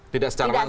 tidak secara langsung